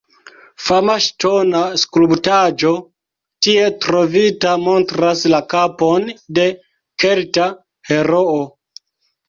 Fama ŝtona skulptaĵo tie trovita montras la kapon de kelta heroo.